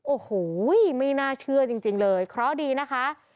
โอ้โหไม่น่าเชื่อจริงเลยเคราะห์ดีนะคะ